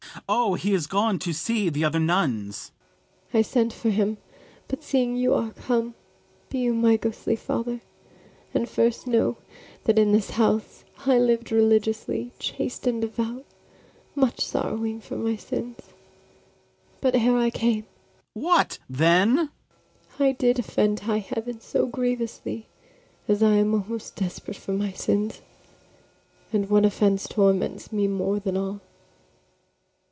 FRIAR BARNARDINE. O, he is gone to see the other nuns. ABIGAIL. I sent for him; but, seeing you are come, Be you my ghostly father: and first know, That in this house I liv'd religiously, Chaste, and devout, much sorrowing for my sins; But, ere I came FRIAR BARNARDINE. What then? ABIGAIL. I did offend high heaven so grievously As I am almost desperate for my sins; And one offense torments me more than all.